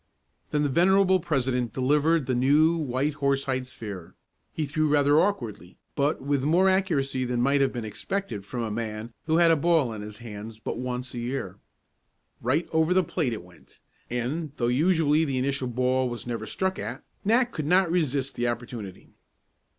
Then the venerable president delivered the new, white horsehide sphere. He threw rather awkwardly, but with more accuracy than might have been expected from a man who had a ball in his hands but once a year. Right over the plate it went, and though usually the initial ball was never struck at, Nat could not resist the opportunity.